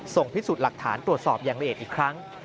พิสูจน์หลักฐานตรวจสอบอย่างละเอียดอีกครั้ง